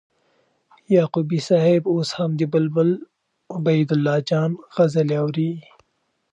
یعقوبی صاحب اوس هم د بلبل عبیدالله جان غزلي اوري